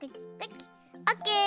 オッケー！